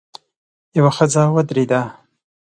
يوه ښځه ودرېده.